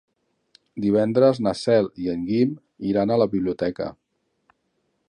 Divendres na Cel i en Guim iran a la biblioteca.